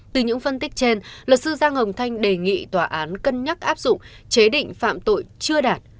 từ những phân tích trên luật sư giang hồng thanh đề nghị tòa án cân nhắc áp dụng chế định phạm tội chưa đạt